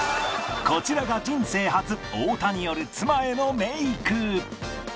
こちらが人生初太田による妻へのメイク